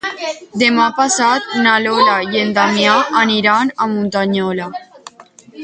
Demà passat na Lola i en Damià aniran a Muntanyola.